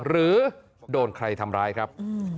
หรือโดนใครทำร้ายครับ